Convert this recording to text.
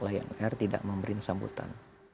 lion air tidak memberi sambutan